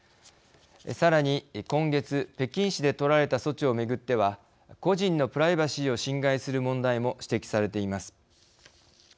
さらに今月北京市で取られた措置をめぐっては個人のプライバシーを侵害する問題も指摘されています。